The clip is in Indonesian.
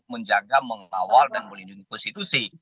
menjaga mengawal dan melindungi konstitusi